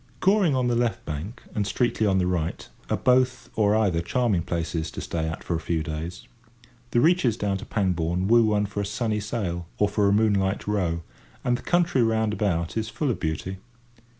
Goring on the left bank and Streatley on the right are both or either charming places to stay at for a few days. The reaches down to Pangbourne woo one for a sunny sail or for a moonlight row, and the country round about is full of beauty.